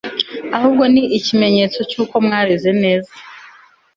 ahubwo ni ikimenyetso cy'uko mwareze neza